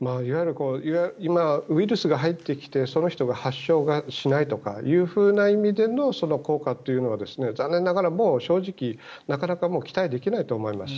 今、ウイルスが入ってきてその人が発症しないとかという意味での効果というのは残念ながら正直なかなか期待できないと思います。